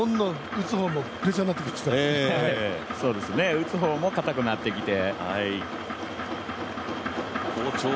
打つ方も硬くなってきて。